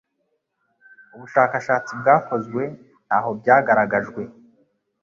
Ubushakashatsi bwakozwe ntaho byagaragajwe